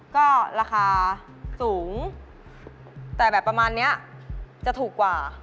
ก็ราคาสูงแต่แบบประมาณนี้จะถูกกว่า